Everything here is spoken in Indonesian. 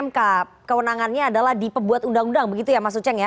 maksudnya kemenangannya adalah di pembuat undang undang begitu ya mas ucheng ya